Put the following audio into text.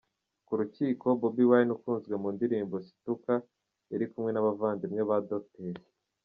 Ku rukiko, Bobi Wine ukunzwe mu ndirimbo “Situka” yari kumwe n’abavandimwe ba Dr.